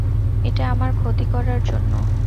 এটা আমার ক্ষতি করার জন্য!